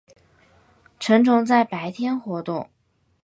成虫在白天活动。